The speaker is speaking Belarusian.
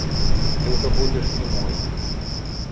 Ты ўжо будзеш не мой.